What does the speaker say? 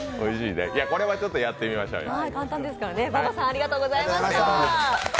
これはちょっとやってみましょうよ。